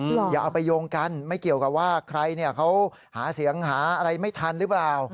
อย่าเอาไปโยงกันไม่เกี่ยวกับว่าใครเนี่ยเขาหาเสียงหาอะไรไม่ทันหรือเปล่า